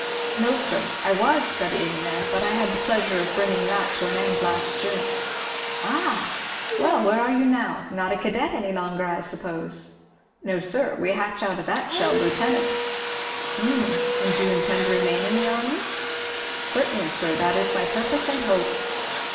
"No sir; I was studying there, but I had the pleasure of bringing that to an end last June." "Ah! Well, what are you now? Not a cadet any longer, I suppose." "No sir we hatch out of that shell lieutenants." "Hum. And do you intend to remain in the army?" "Certainly sir, that is my purpose and hope."